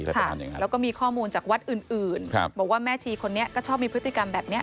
แล้วก็มีข้อมูลจากวัดอื่นบอกว่าแม่ชีคนนี้ก็ชอบมีพฤติกรรมแบบนี้